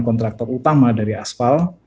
kontraktor utama dari asfal